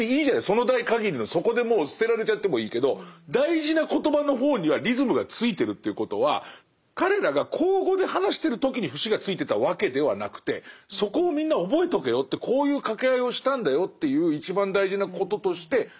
その代限りのそこでもう捨てられちゃってもいいけど大事な言葉の方にはリズムがついてるということは彼らが口語で話してる時に節がついてたわけではなくてそこをみんな覚えとけよってこういう掛け合いをしたんだよっていう一番大事なこととして。